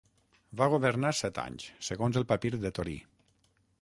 Va governar set anys segons el papir de Torí.